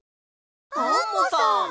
アンモさん！